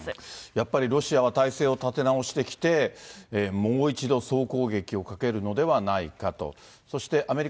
やっぱりロシアは態勢を立て直してきて、もう一度総攻撃をかけるのではないかと。